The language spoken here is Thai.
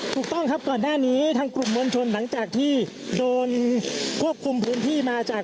ถูกต้องครับก่อนหน้านี้ทางกลุ่มมวลชนหลังจากที่โดนควบคุมพื้นที่มาจาก